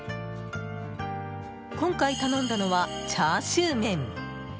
今回頼んだのはチャーシューメン。